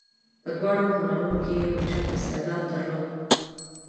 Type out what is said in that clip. په دواړو هنرونو کې یې اوچت استعداد درلود.